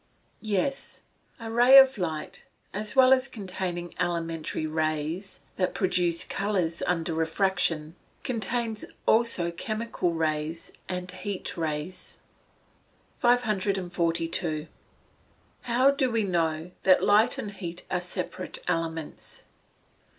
_ Yes. A ray of light, as well as containing elementary rays that produce colours under refraction, contains also chemical rays, and heat rays. 542. _How do we know that light and heat are separate elements?